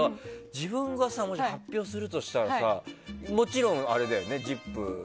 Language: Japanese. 自分が発表するとしたらもちろん、あれだよね。